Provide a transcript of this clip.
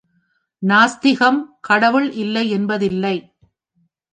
நாஸ்திகம் கடவுள் இல்லை என்பதில்லை.